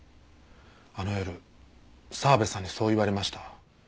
あの夜澤部さんにそう言われました。